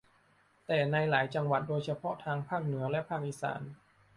แต่ในหลายจังหวัดโดยเฉพาะทางภาคเหนือและภาคอีสาน